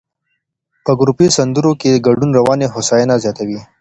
په ګروپي سندرو کې ګډون رواني هوساینه زیاتوي.